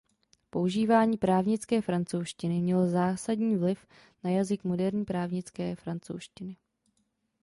Používání právnické francouzštiny mělo zásadní vliv na jazyk moderní právnické francouzštiny.